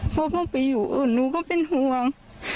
เพราะว่าไปอยู่อื่นหนูก็เป็นห่วง